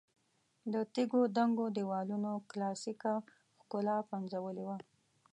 د تیږو دنګو دېوالونو کلاسیکه ښکلا پنځولې وه.